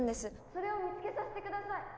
・それを見つけさせて下さい！